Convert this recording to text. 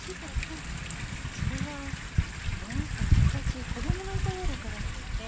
それはおえんさん昔子供がいたようだから。